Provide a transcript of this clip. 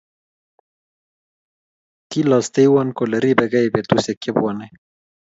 kilosteiwon kole ribegei betusiek chebwoni